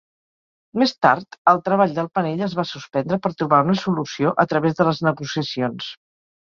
Més tard, el treball del panell es va suspendre per trobar una solució a través de les negociacions.